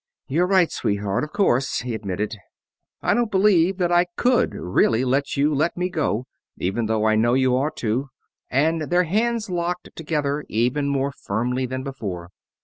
"You're right, sweetheart, of course," he admitted. "I don't believe that I could really let you let me go, even though I know you ought to," and their hands locked together even more firmly than before.